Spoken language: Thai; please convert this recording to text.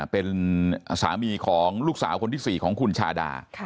เป็นสามีของลูกสาวคนที่๔ของคุณชาดา